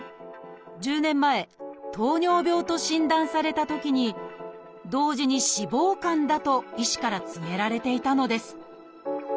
１０年前「糖尿病」と診断されたときに同時に「脂肪肝だ」と医師から告げられていたのです。